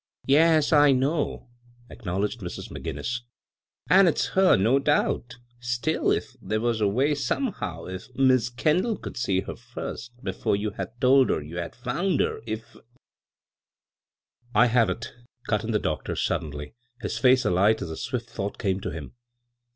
"Yes, I know," acknowledged Mrs. Mc b, Google CROSS CURRENTS Ginnis, " an' it's her, no doubt Still, if there was a way somehow — if Mis' Kendall could see her first, before you had told her you had found her; if "" I have it," cut in the doctor, suddenly, his face alight as a swift thought came to him.